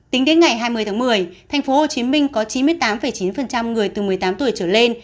tính đến ngày hai mươi tháng một mươi tp hcm có chín mươi tám chín người từ một mươi tám tuổi trở lên